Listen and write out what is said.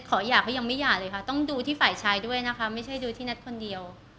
หย่าก็ยังไม่หย่าเลยค่ะต้องดูที่ฝ่ายชายด้วยนะคะไม่ใช่ดูที่นัทคนเดียว